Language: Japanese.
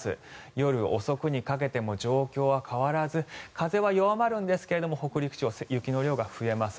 夜遅くにかけても状況は変わらず風は弱まるんですが北陸地方は雪の量が増えます。